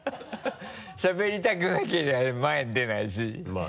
しゃべりたくなけりゃ前に出ないし。